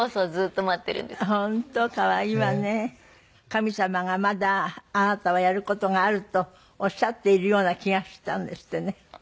神様がまだあなたはやる事があるとおっしゃっているような気がしたんですってね。